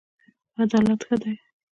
عدالت ښه دی.